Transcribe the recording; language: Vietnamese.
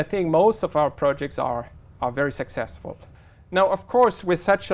trong sử dụng sản phẩm của world bank